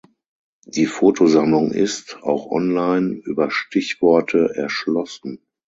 Die Fotosammlung ist, auch online, über Stichworte erschlossen.